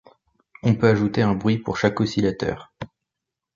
On peut ajouter un bruit pour chaque oscillateur.